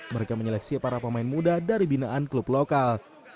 mereka menyeleksi para pemain muda dari binaan klub lokal